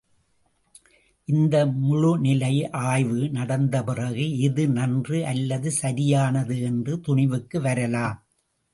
இந்த முழுநிலை ஆய்வு நடந்த பிறகு எது நன்று அல்லது சரியானது என்ற துணிவுக்கு வரலாம்.